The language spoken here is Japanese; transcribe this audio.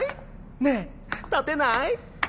ねえ立てない？